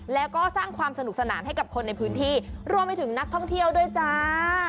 แล้วก็สร้างความสนุกสนานให้กับคนในพื้นที่รวมไปถึงนักท่องเที่ยวด้วยจ้า